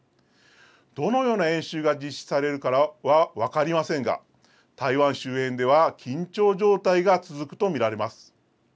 どのような演習が実施されるかは分かりませんが、台湾周辺では緊張状態が続くと見られます。